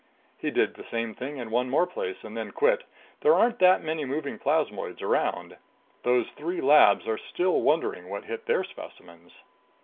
He did the same thing in one more place and then quit. There aren't that many moving plasmoids around. Those three labs are still wondering what hit their specimens."